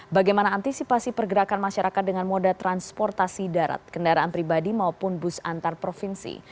bagaimana antisipasi pergerakan masyarakat dengan moda transportasi darat kendaraan pribadi maupun bus antar provinsi